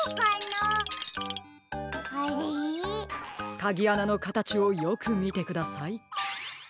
かぎあなのかたちをよくみてください。